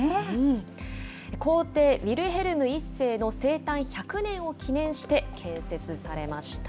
皇帝ウィルヘルム１世の生誕１００年を記念して建設されました。